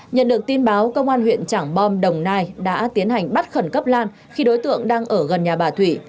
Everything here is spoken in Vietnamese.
nhận được tin báo công an huyện trảng bom đồng nai đã tiến hành bắt khẩn cấp lan khi đối tượng đang ở gần nhà bà thủy